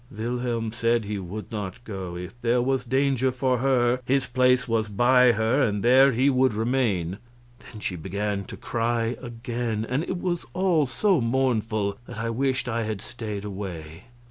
Wilhelm said he would not go; if there was danger for her, his place was by her, and there he would remain. Then she began to cry again, and it was all so mournful that I wished I had stayed away.